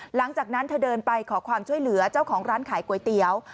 หลังจากนั้นเธอเดินไปขอความช่วยเหลือเจ้าของร้านขายก๋วยเตี๋ยว